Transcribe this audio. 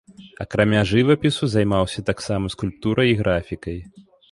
Акрамя жывапісу, займаўся таксама скульптурай і графікай.